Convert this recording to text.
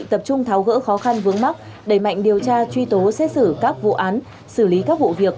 tập trung tháo gỡ khó khăn vướng mắc đẩy mạnh điều tra truy tố xét xử các vụ án xử lý các vụ việc